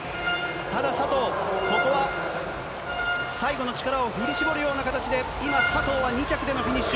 ただ佐藤、ここは最後の力を振り絞るような形で、今、佐藤は２着でのフィニッシュ。